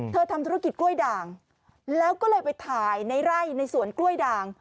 ทำธุรกิจกล้วยด่างแล้วก็เลยไปถ่ายในไร่ในสวนกล้วยด่าง